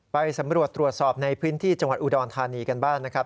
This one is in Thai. ไปสำรวจตรวจสอบในพื้นที่จังหวัดอุดรธานีกันบ้างนะครับ